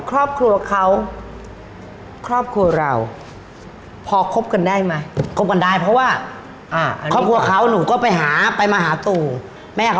ครอบครัวเขาครอบครัวเราพอคบกันได้ไหม